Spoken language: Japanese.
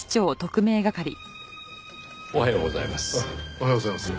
おはようございます。